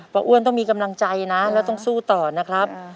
อ้วนต้องมีกำลังใจนะแล้วต้องสู้ต่อนะครับ